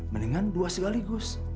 mendingan dua sekaligus